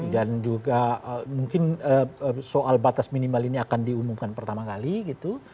dan juga mungkin soal batas minimal ini akan diumumkan pertama kali gitu